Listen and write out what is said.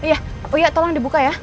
oh iya tolong dibuka ya